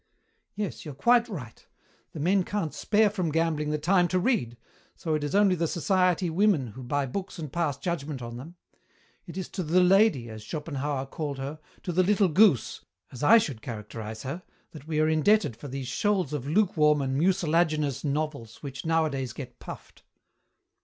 "Yes, you're quite right. The men can't spare from gambling the time to read, so it is only the society women who buy books and pass judgment on them. It is to The Lady, as Schopenhauer called her, to the little goose, as I should characterize her, that we are indebted for these shoals of lukewarm and mucilaginous novels which nowadays get puffed."